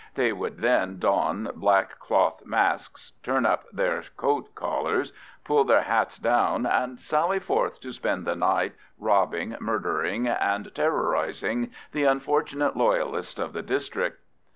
They would then don black cloth masks, turn up their coat collars, pull their hats down, and sally forth to spend the night robbing, murdering, and terrorising the unfortunate Loyalists of the district.